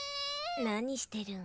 何してるん？